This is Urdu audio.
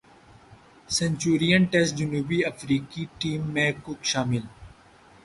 سنچورین ٹیسٹ جنوبی افریقی ٹیم میں کک شامل